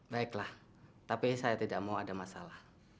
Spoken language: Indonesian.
baiklah tapi saya tidak mau ada masalah